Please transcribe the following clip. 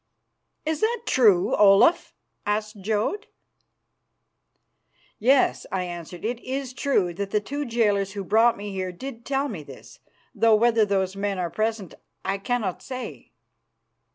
"Is that true, Olaf?" asked Jodd. "Yes," I answered, "it is true that the two jailers who brought me here did tell me this, though whether those men are present I cannot say."